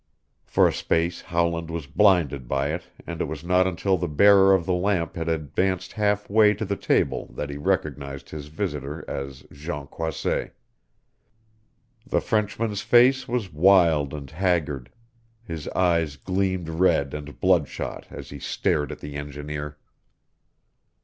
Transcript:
For a space Howland was blinded by it and it was not until the bearer of the lamp had advanced half way to the table that he recognized his visitor as Jean Croisset. The Frenchman's face was wild and haggard. His eyes gleamed red and bloodshot as he stared at the engineer.